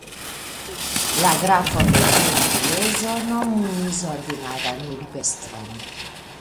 La Grafo de Villariezo nomumis ordinaran urbestron.